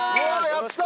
やった！